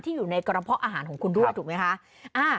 ที่อยู่ในกรมพออาหารของคุณดูแล้วถูกไหมคะ